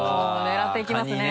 狙っていきますね。